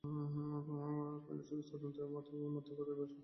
কয়লা চুরির তদন্তের মধ্যেই গত বৃহস্পতিবার এই ছুটি মঞ্জুর করা হয়।